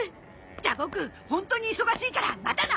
じゃあボクホントに忙しいからまたな！